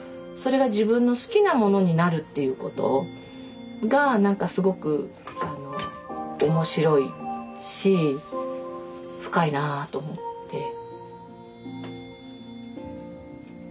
それが自分の好きなものになるっていうことが何かすごく面白いし深いなと思って。